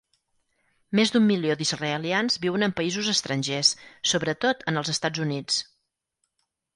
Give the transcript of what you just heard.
Més d'un milió d'israelians viuen en països estrangers, sobretot en els Estats Units.